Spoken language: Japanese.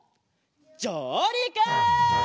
じょうりく！